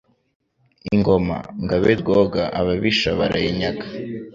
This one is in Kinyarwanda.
Ingoma –Ngabe Rwoga ababisha barayinyaga.